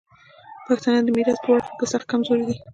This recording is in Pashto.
پښتانه د میراث په ورکړه کي سخت کمزوري دي.